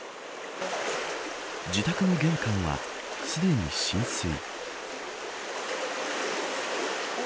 自宅の玄関はすでに浸水。